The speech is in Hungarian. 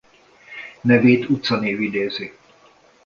Nevét utcanév idézi.